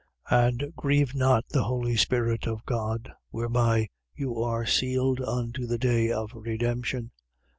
4:30. And grieve not the holy Spirit of God: whereby you are sealed unto the day of redemption.